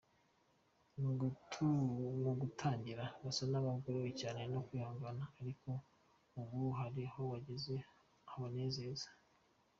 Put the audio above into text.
Mu gutangira basa n’abagowe cyane no kwihangana ariko ubu hari aho bageze habanezeza.